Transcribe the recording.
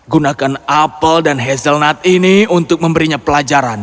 gunakan apple dan hazelnut ini untuk memberinya pelajaran